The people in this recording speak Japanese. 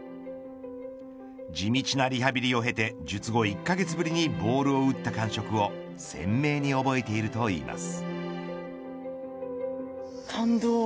地道なリハビリを経て術後１カ月ぶりにボールを打った感触を鮮明に覚えているといいます。